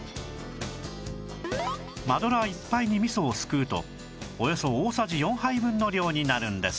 マドラーいっぱいに味噌をすくうとおよそ大さじ４杯分の量になるんです